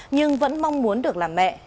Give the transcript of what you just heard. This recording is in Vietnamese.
nhưng vẫn mong muốn được làm mẹ